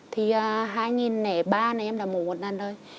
thì hai nghìn ba này em đã mổ một lần thôi